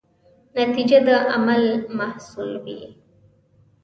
نتیجه د عمل محصول وي.